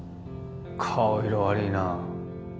顔色悪ぃな。